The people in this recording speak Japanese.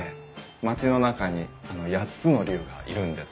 町の中に８つの竜がいるんです。